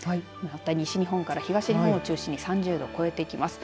また西日本から東日本を中心に３０度超えていきます。